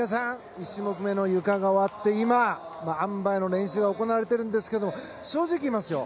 １種目めのゆかが終わって今、あん馬の練習が行われているんですけど正直言いますよ。